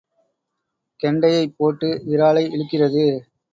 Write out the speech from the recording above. கெண்டையைப் போட்டு விராலை இழுக்கிறது.